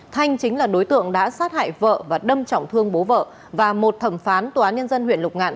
thanh chính là đối tượng đã sát hại vợ và đâm trọng thương bố vợ và một thẩm phán tnh huyện lục ngạn